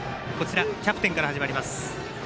キャプテンから始まります。